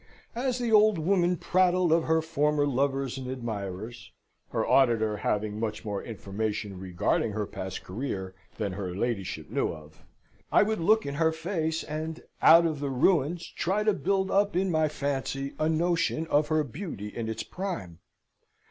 As the old woman prattled of her former lovers and admirers (her auditor having much more information regarding her past career than her ladyship knew of), I would look in her face, and, out of the ruins, try to build up in my fancy a notion of her beauty in its prime.